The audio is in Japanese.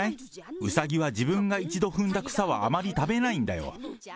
うさぎは自分が一度踏んだ草はあまり食べないんだよ。